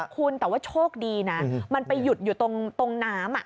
คุณแต่ว่าโชคดีนะมันไปหยุดอยู่ตรงน้ำ